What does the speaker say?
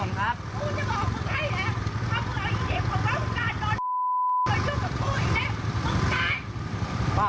ไม่รถเขาจะออกค่ะ